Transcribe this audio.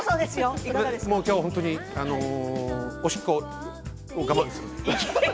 きょう本当におしっこ我慢する。